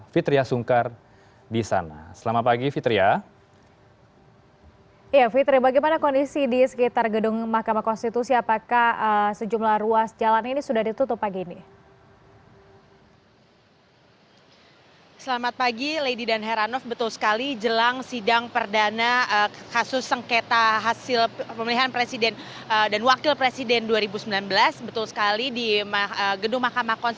fitriah sungkar disana selamat pagi fitriah